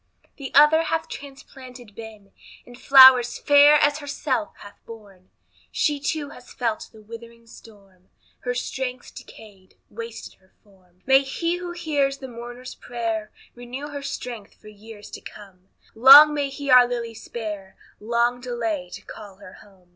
The other hath transplanted been, And flowers fair as herself hath borne; She too has felt the withering storm, Her strength's decayed, wasted her form. May he who hears the mourner's prayer, Renew her strength for years to come; Long may He our Lilly spare, Long delay to call her home.